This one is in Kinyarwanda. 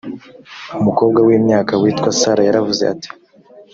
umukobwa w imyaka witwa sarah yaravuze ati